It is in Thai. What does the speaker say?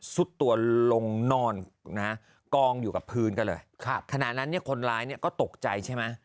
สุดตัวลงนอนนะฮะกองอยู่กับพื้นกันเลยครับขณะนั้นเนี่ยคนร้ายเนี่ยก็ตกใจใช่ไหม